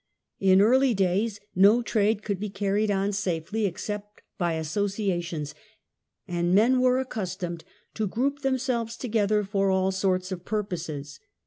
232 THE END OF THE MIDDLE AGE In early days no trade could be carried on safely except by associations, and men were accustomed to group themselves together for all sorts of purposes.